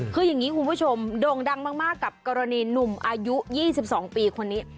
คืออย่างนี้คุณผู้ชมโด่งดังมากกับกรณีหนุ่มอายุ๒๒ปีคนนี้